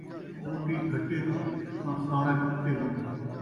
ٻوٹی گھٹے دی تاں صحݨک اٹے دی